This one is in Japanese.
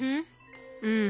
うん。